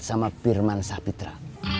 sama firman sahpitra